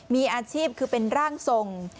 มีอาชีพคือเป็นร่างทรง